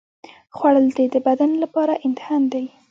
خوړل د بدن لپاره ایندھن دی